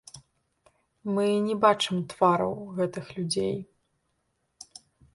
Мы не бачым твараў гэтых людзей.